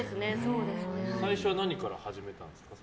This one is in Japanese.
最初は何から始めたんですか？